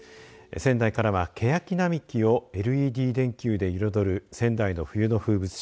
仙台からは、ケヤキ並木をＬＥＤ電球で彩る、仙台の冬の風物詩